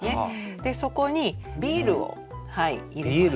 でそこにビールを入れます。